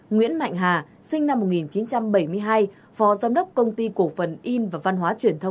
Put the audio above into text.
ba nguyễn mạnh hà sinh năm một nghìn chín trăm bảy mươi hai phó giáo